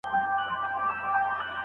سټرچرونه څنګه کارول کیږي؟